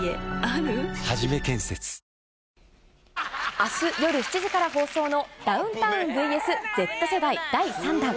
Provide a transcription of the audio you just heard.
あす夜７時から放送のダウンタウンＶＳＺ世代第３弾。